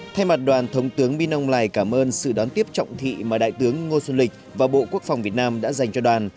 thay mặt đoàn thống tướng minh âu lài cảm ơn sự đón tiếp trọng thị mà đại tướng ngô xuân lịch và bộ quốc phòng việt nam đã dành cho đoàn